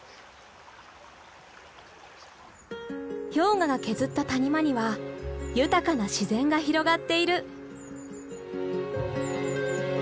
氷河が削った谷間には豊かな自然が広がっている。